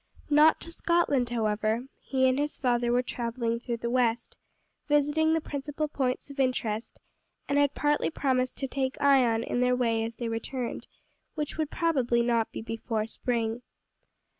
Not to Scotland, however; he and his father were traveling through the West, visiting the principal points of interest, and had partly promised to take Ion in their way as they returned; which would probably not be before spring.